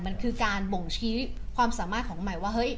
มันคือการบ่งชี้ความสามารถของใหม่ว่าเฮ้ย